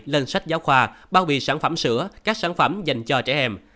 lên sách giáo khoa bao bì sản phẩm sữa các sản phẩm dành cho trẻ em